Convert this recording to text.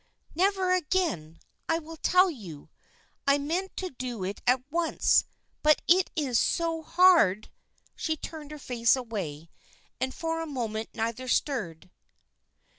"Never again! I will tell you; I meant to do it at once, but it is so hard " She turned her face away, and for a moment neither stirred.